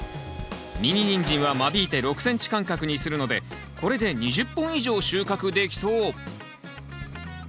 ミニニンジンは間引いて６ｃｍ間隔にするのでこれで２０本以上収穫できそう。